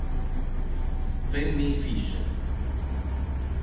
Fanny Fischer